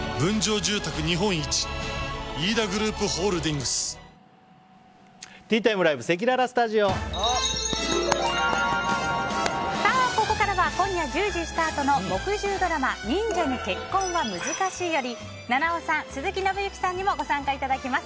公式ツイッターをフォローしてからここからは今夜１０時スタートの木１０ドラマ「忍者に結婚は難しい」より菜々緒さん、鈴木伸之さんにもご参加いただきます。